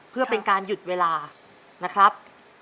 เพื่อเป็นการหยุดเวลานะครับ